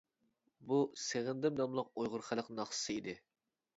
بۇ «سېغىندىم» ناملىق ئۇيغۇر خەلق ناخشىسى ئىدى!